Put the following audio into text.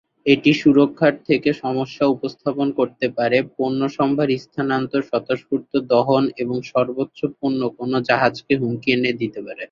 এটি সুরক্ষার থেকে সমস্যা উপস্থাপন করতে পারে: পণ্যসম্ভার স্থানান্তর, স্বতঃস্ফূর্ত দহন এবং সর্বোচ্চ পণ্য কোনও জাহাজকে হুমকি দিতে পারে।